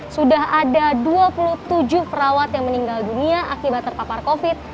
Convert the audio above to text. sudah ada dua puluh tujuh perawat yang meninggal dunia akibat terpapar covid